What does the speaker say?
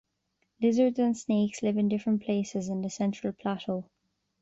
Lizards and snakes live in different places in the central plateau.